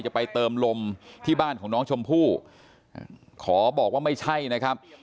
ไปเติมลมที่บ้านของน้องชมพู่ขอบอกว่าไม่ใช่นะครับ